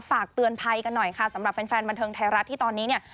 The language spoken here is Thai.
ฝากเตือนภัยกันหน่อยค่ะสำหรับแฟนบันเทิงไทยรัฐที่ตอนนี้เนี่ย